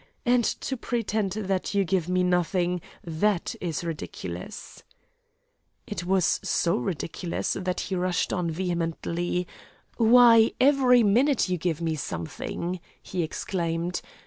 And to pretend that you give me nothing, that is ridiculous!" It was so ridiculous that he rushed on vehemently. "Why, every minute you give me something," he exclaimed.